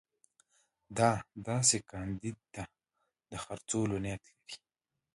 ده داسې کاندید ته د خرڅولو نیت لري.